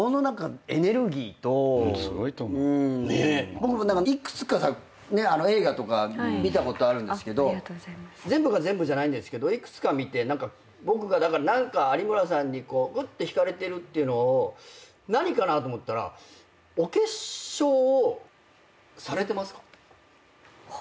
僕もいくつか映画とか見たことあるんですけど全部が全部じゃないんですけどいくつか見て僕が何か有村さんにうって引かれてるっていうのを何かなと思ったらお化粧をされてますか？